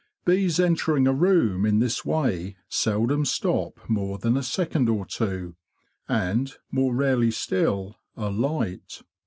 Bees entering a room in this way seldom stop more than a second or two, and, more rarely still, alight.